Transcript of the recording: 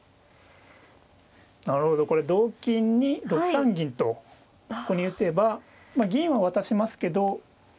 なるほどこれ同金に６三銀とここに打てばまあ銀は渡しますけど。